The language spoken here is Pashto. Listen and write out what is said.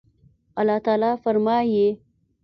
الله تعالى فرمايي